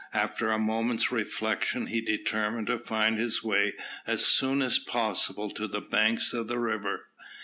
After a moment's reflection he determined to find his way as soon as possible to the banks of the river.